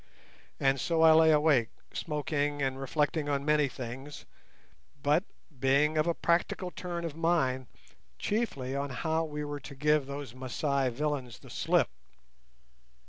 And so I lay awake, smoking and reflecting on many things, but, being of a practical turn of mind, chiefly on how we were to give those Masai villains the slip.